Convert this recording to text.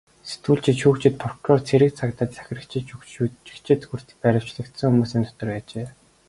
Сэтгүүлчид, шүүгч, прокурор, цэрэг цагдаа, захирагчид, жүжигчид хүртэл баривчлагдсан хүмүүсийн дотор байжээ.